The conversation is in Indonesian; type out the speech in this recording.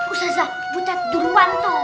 ustazah buta durbantu